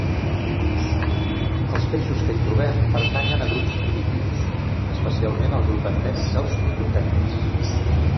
Els peixos que hi trobem pertanyen a grups primitius, especialment al grup endèmic dels nototènids.